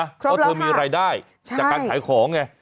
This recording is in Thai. ครบแล้วค่ะว่าเธอมีรายได้จากการขายของไง